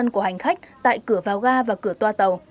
của hành khách tại cửa vào ga và cửa toa tàu